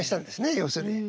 要するに。